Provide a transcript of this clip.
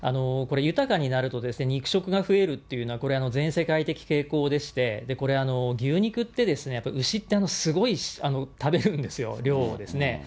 これ、豊かになるとですね、肉食が増えるっていうのはこれ、全世界的傾向でして、これ、牛肉ってですね、牛って、すごい食べるんですよ、量をですね。